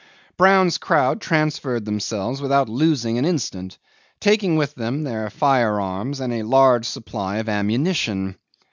'Brown's crowd transferred themselves without losing an instant, taking with them their firearms and a large supply of ammunition.